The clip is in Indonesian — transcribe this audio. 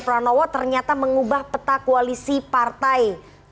ganjar pranowo ternyata mengubah peta koalisi partai dua ribu dua puluh empat